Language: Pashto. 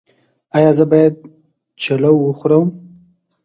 ایا زه باید چلو وخورم؟